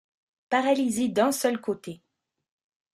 Paralysie d'un seul côté.